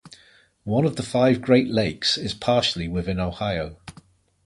One of the five Great Lakes is partially within Ohio.